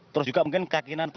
terus juga mungkin kakinan itu